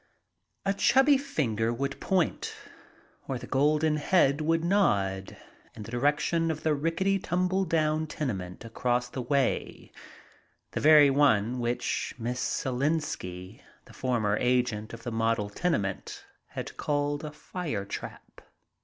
A chubby finger would point, or the golden head would nod, in the direction of the rickety tumble down tenement across the way, the very one which Miss Selenski, the former agent of the model tenement, had called a "fire trap."